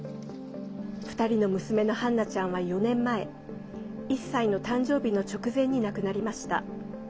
２人の娘のハンナちゃんは４年前１歳の誕生日の直前に亡くなりました。